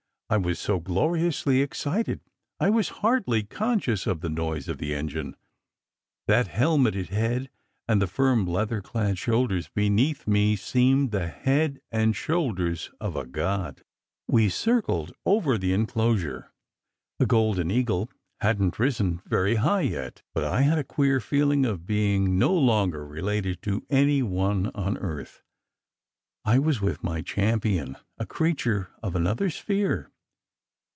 I was so gloriously excited, I was hardly conscious of the noise of the engine. That helmeted head and the firm leather clad shoulders beneath me seemed the head and shoulders of a god. We circled over the enclosure. The Golden Eagle hadn t SECRET HISTORY 51 risen very high yet, but I had a queer feeling of being no longer related to any one on earth. I was with my cham pion, a creature of another sphere.